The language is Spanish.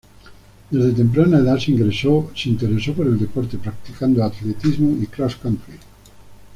Desde temprana edad se interesó por el deporte, practicando atletismo y crosscountry.